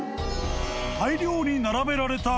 ［大量に並べられた古文書］